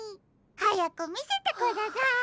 はやくみせてください。ほっ。